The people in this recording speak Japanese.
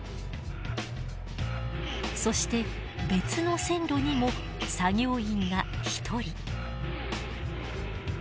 そして別の線路にも作業員が１人。